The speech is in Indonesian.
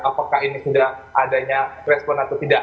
apakah ini sudah adanya respon atau tidak